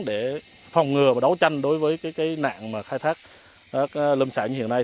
để phòng ngừa và đấu tranh đối với cái nạn mà khai thác lâm tạc như hiện nay